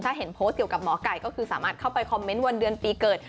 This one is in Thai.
ถ้าเห็นโพสต์เกี่ยวกับหมอไก่ก็คือสามารถเข้าไปคอมเมนต์วันเดือนปีเกิด